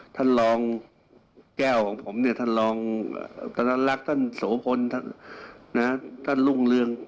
ท่านรองแก้วของผมเนี่ยท่านรกท่านโสพลท่านลุงเรือง